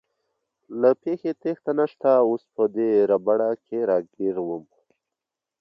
له پېښې تېښته نشته، اوس په دې ربړه کې راګیر ووم.